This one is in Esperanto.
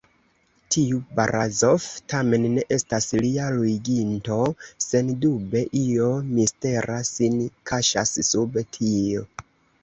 Tiu Barazof tamen ne estas lia luiginto, sendube io mistera sin kaŝas sub tio.